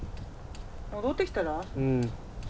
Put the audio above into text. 戻ってきたら？